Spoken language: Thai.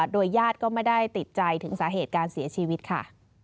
โดยญาติก็ไม่ได้ติดใจถึงสาเหตุการเสียชีวิตค่ะ